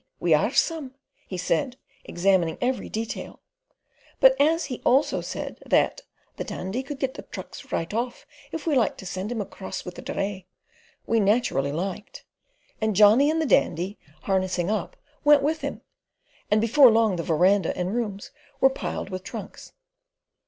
We are some!" he said, examining every detail. But as he also said that "the Dandy could get the trunks right off if we liked to send him across with the dray," we naturally "liked," and Johnny and the Dandy harnessing up, went with him, and before long the verandah and rooms were piled with trunks.